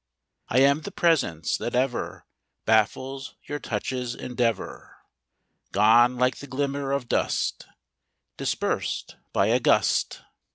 I am the presence that ever Baffles your touch's endeavor, Gone like the glimmer of dust Dispersed by a gust.